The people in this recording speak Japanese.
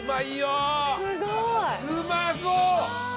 ・うまそう。